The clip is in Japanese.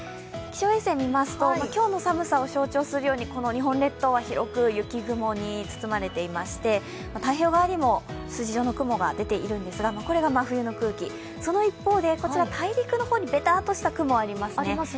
気象衛星を見ますと、今日の寒さを象徴するように日本列島は広く雪雲に包まれていまして、太平洋側にも筋状の雲が出ているんですがこれが真冬の空気その一方で、大陸の方にベターッとした雲がありますね。